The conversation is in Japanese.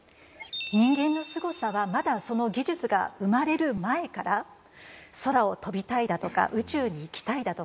人間のすごさはまだその技術が生まれる前から空を飛びたいだとか宇宙に行きたいだとか